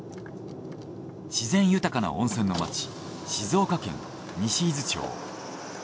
自然豊かな温泉の町静岡県西伊豆町。